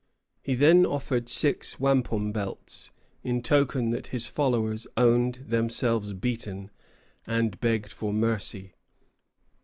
He then offered six wampum belts, in token that his followers owned themselves beaten, and begged for mercy.